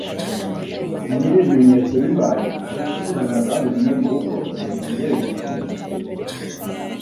Niba ibimenyetso bibaye uhite usuzumwa kandi ugume murugo mugihe utegereje ibisubizo.